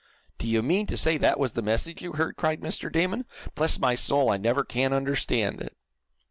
'" "Do you mean to say that was the message you heard?" cried Mr. Damon. "Bless my soul, I never can understand it!"